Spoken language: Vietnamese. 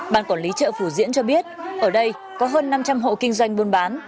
ban quản lý chợ phủ diễn cho biết ở đây có hơn năm trăm linh hộ kinh doanh buôn bán